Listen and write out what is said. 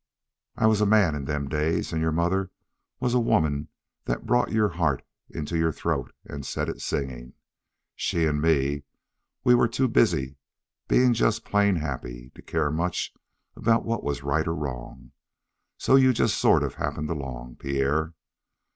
"I was a man in them days, and your mother was a woman that brought your heart into your throat and set it singing. She and me, we were too busy being just plain happy to care much about what was right or wrong; so you just sort of happened along, Pierre.